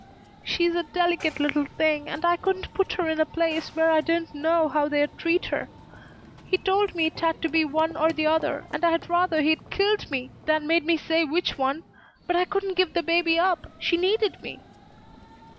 "She's a delicate little thing, and I couldn't put her in a place where I didn't know how they'd treat her. He told me it had to be one or the other and I'd rather he'd killed me than made me say which one. But I couldn't give the baby up. She needed me."